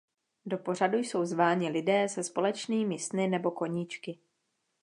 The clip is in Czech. Do pořadu jsou zváni lidé se společnými sny nebo koníčky.